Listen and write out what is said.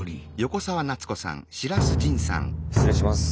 失礼します。